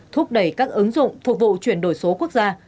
thúc đẩy các ứng dụng phục vụ chuyển đổi số quốc gia